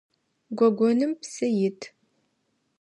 Гогоным псы ит.